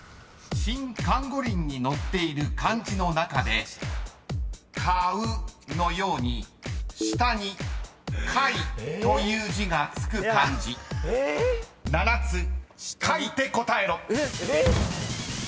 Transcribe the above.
［新漢語林に載っている漢字の中で「買う」のように下に貝という字が付く漢字７つ書いて答えろ］